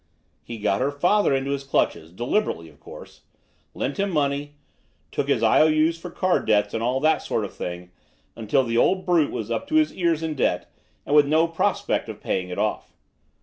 "He got her father into his clutches, deliberately, of course, lent him money, took his I O U's for card debts and all that sort of thing, until the old brute was up to his ears in debt and with no prospect of paying it off.